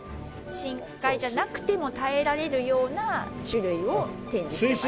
深海じゃなくても耐えられるような種類を展示してますね。